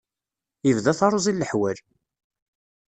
Ibda taruẓi n leḥwal!